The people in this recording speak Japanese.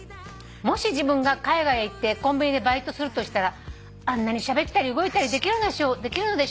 「もし自分が海外へ行ってコンビニでバイトするとしたらあんなにしゃべったり動いたりできるのでしょうか」